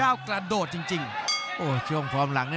ก้าวกระโดดจริง